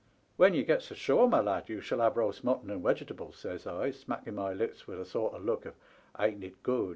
When ye get's ashore, my lad, ye shall have roast mutton and wegetables,' says I, smack ing my lips with a sort of look of * ain't it good